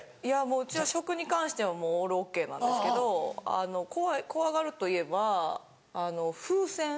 うちは食に関してはオールＯＫなんですけど怖がるといえば風船。